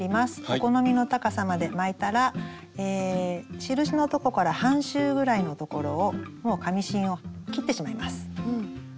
お好みの高さまで巻いたら印のとこから半周ぐらいのところをもう紙芯を切ってしまいます。